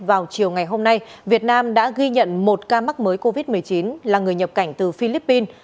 vào chiều ngày hôm nay việt nam đã ghi nhận một ca mắc mới covid một mươi chín là người nhập cảnh từ philippines